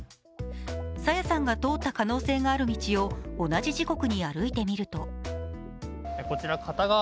朝芽さんが通った可能性のある道を同じ時刻に歩いてみるとこちら片側